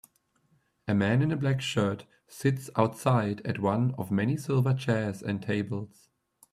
A man in a black shirt sits outside at one of many silver chairs and tables.